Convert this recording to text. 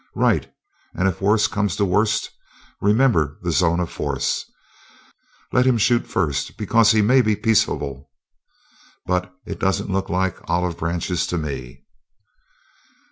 "Right and if worse comes to worst, remember the zone of force. Let him shoot first, because he may be peaceable but it doesn't look like olive branches to me."